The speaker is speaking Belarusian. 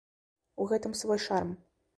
У гэтым свой шарм.